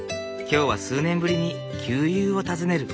今日は数年ぶりに旧友を訪ねる。